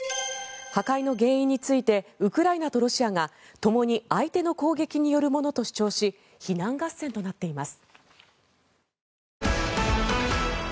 破壊の原因についてウクライナとロシアがともに相手の攻撃によるものと主張し非難合戦となっています。